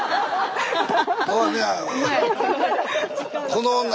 この女